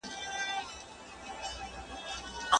موږ بايد له کوچنيوالي څخه ماشومانو ته د کتاب مينه ور زده کړو.